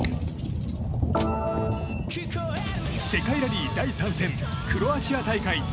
世界ラリー第３戦クロアチア大会。